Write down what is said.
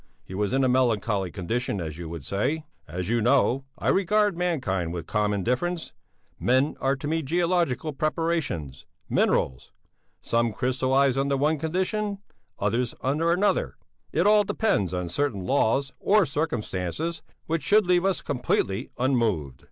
He was in a melancholy condition, as you would say. As you know, I regard mankind with calm indifference; men are to me geological preparations, minerals; some crystallize under one condition, others under another; it all depends on certain laws or circumstances which should leave us completely unmoved.